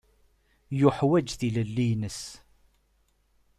Yeḥwaǧ tilelli-nnes.